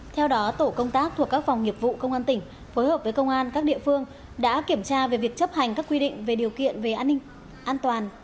theo đó tổ công tác thuộc các phòng nghiệp vụ công an tỉnh phối hợp với công an các địa phương đã kiểm tra về việc chấp hành các quy định về điều kiện về an ninh an toàn